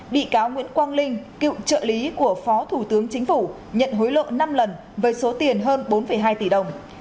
bị cáo nguyễn quang linh cựu trợ lý của phó thủ tướng chính phủ nhận hối lộ năm lần với số tiền hơn bốn hai tỷ đồng